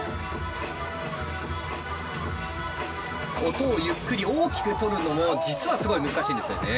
音をゆっくり大きく取るのも実はすごい難しいんですよね。